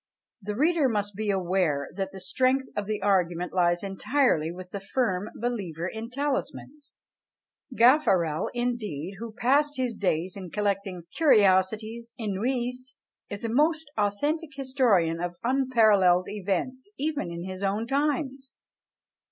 The reader must be aware that the strength of the argument lies entirely with the firm believer in talismans. Gaffarel, indeed, who passed his days in collecting "Curiosités inouïes," is a most authentic historian of unparalleled events, even in his own times!